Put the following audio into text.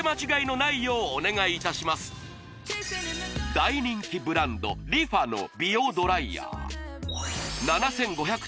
大人気ブランドＲｅＦａの美容ドライヤー７５００